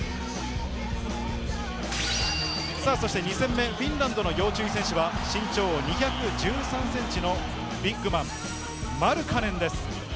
２戦目フィンランドの要注意選手は身長２１３ｃｍのビッグマン、マルカネンです。